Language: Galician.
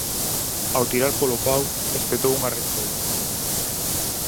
Ao tirar polo pau, espetou unha restela.